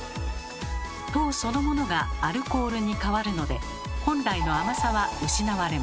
糖そのものがアルコールに変わるので本来の甘さは失われます。